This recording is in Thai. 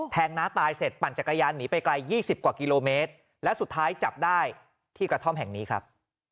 น้าตายเสร็จปั่นจักรยานหนีไปไกล๒๐กว่ากิโลเมตรและสุดท้ายจับได้ที่กระท่อมแห่งนี้ครับ